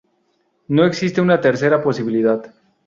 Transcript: No existe una tercera posibilidad.